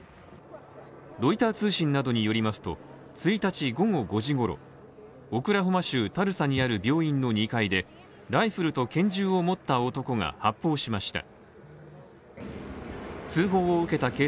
ロイター通信などによりますと１日午後５時ごろオクラホマ州タルサにある病院の２階でライフルと拳銃を持った男が発砲しました。